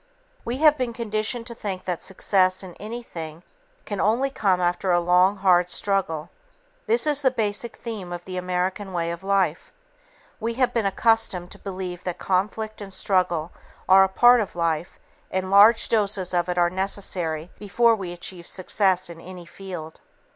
We have been conditioned to think that success in anything can only come after a long, hard struggle. This is the basic theme of the American way of life. We have been accustomed to believe that conflict and struggle are part of life and large doses of it are necessary before we achieve success in any field.